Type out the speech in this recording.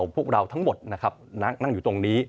พวกเราทั้งหมดนะครับนั่งอยู่ตรงนี้